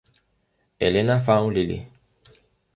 Helena fawn lily.